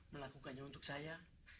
melakukannya untuk saya